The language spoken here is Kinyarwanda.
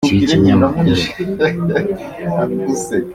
Iki kinyamakuru